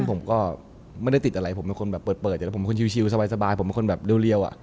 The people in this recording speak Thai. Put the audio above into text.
ผมก็ไม่ได้ติดอะไรผมเป็นคนแบบเปิดแต่ผมเป็นคนชิลสบายผมเป็นคนแบบเรียว